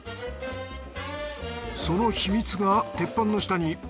その秘密が鉄板の下に。